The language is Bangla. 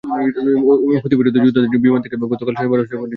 হুতিবিরোধী যোদ্ধাদের জন্য বিমান থেকে গতকাল শনিবার অস্ত্রও ফেলেছে জোট বাহিনী।